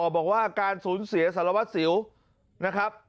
บอกว่าการสูญเสียสารวัตรสิวนะครับ